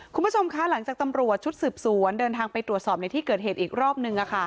คุณผู้ชมคะหลังจากตำรวจชุดสืบสวนเดินทางไปตรวจสอบในที่เกิดเหตุอีกรอบนึง